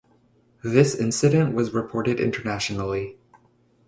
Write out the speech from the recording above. This incident was reported internationally.